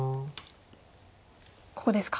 ここですか。